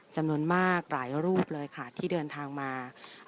จำนวนมากหลายรูปเลยค่ะที่เดินทางมา